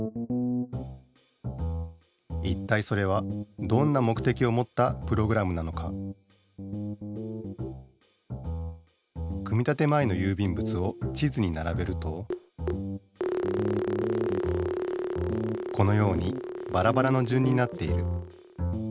いったいそれはどんな目的をもったプログラムなのか組立前のゆうびんぶつを地図にならべるとこのようにバラバラの順になっている。